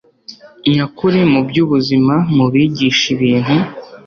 nyakuri mu byubuzima Mubigishe ibintu